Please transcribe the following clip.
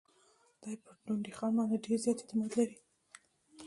دی پر ډونډي خان باندي ډېر زیات اعتماد لري.